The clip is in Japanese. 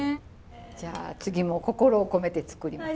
じゃあ次も心を込めて作ります。